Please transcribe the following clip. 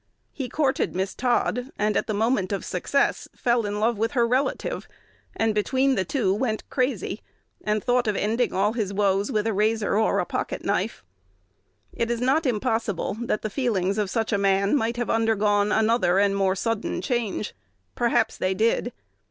He courted Miss Todd, and at the moment of success fell in love with her relative, and, between the two, went crazy, and thought of ending all his woes with a razor or a pocket knife. It is not impossible that the feelings of such a man might have undergone another and more sudden change. Perhaps they did.